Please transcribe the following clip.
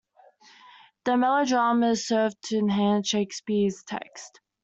The melodramas served to enhance Shakespeare's text.